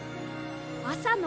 あさの